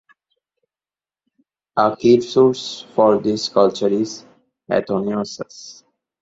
A key source for this culture is Athenaeus.